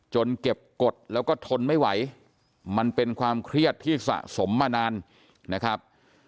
เก็บกฎแล้วก็ทนไม่ไหวมันเป็นความเครียดที่สะสมมานานนะครับ